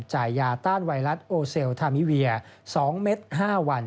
ยาต้านไวรัสโอเซลทามิเวีย๒เม็ด๕วัน